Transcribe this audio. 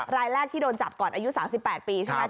รายแรกที่โดนจับก่อนอายุ๓๘ปีใช่ไหม